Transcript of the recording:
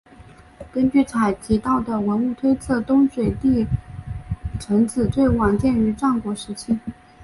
根据采集到的文物推测东水地城址最晚建于战国时期。